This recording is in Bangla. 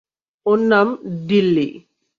ওর নাম ডিল্লি।